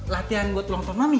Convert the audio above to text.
latihan buat ulang tahun mami